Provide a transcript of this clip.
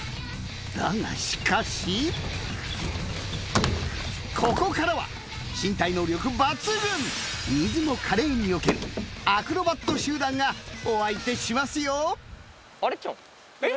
だがしかしここからは身体能力抜群水も華麗によけるアクロバット集団がお相手しますよ。